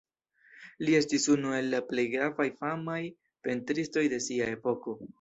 Li estis unu el la plej gravaj famaj pentristoj de sia epoko.